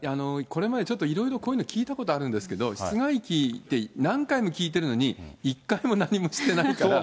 これまでちょっといろいろこういうの、聞いたことあるんですけど、室外機って、何回も聞いてるのに、１回も何もしてないから。